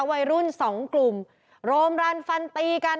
วัยรุ่นสองกลุ่มโรมรันฟันตีกัน